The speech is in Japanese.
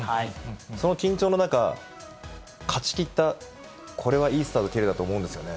その緊張の中、勝ちきった、これはいいスタート切れたと思うんですよね。